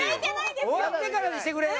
終わってからにしてくれよ！